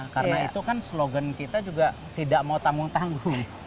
karena itu kan slogan kita juga tidak mau tamu tanggung